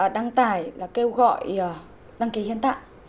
đăng tải là kêu gọi đăng ký hiện tại